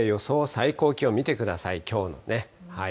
最高気温、見てください、きょうのね。